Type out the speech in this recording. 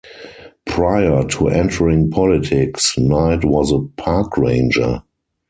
Prior to entering politics, Knight was a park ranger.